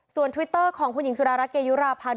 ส่วนทวิตเตอร์ของคุณหญิงสุดารัฐเกยุราพันธ์